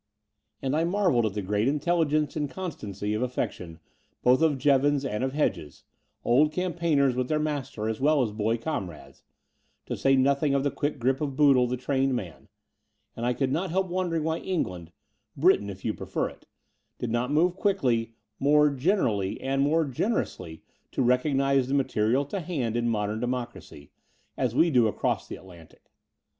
And I marvelled at the great intelligence and constancy of affection both of Jevons and of Hedges — old campaigners with their master as well as boy comrades — ^to say nothing of the quick grip of Boodle, the trained man: and I could not help wondering why England — Britain, if you pre fer it — did not move quickly, more generally, and more generously to recognize the material to hand in modem democracy, as we do across the Atlantic.